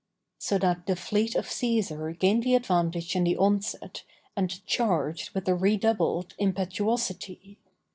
So that the fleet of Cæsar gained the advantage in the onset, and charged with a redoubled impetuosity.